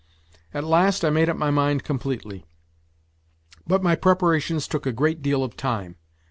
At last I made up my mind completely. But my preparations took a great deal of time.